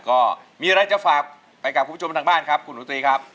ก็มีอะไรจะฝากไปกับคุณผู้ชมทางบ้านครับคุณหนูตรีครับ